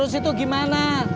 det menurut situ gimana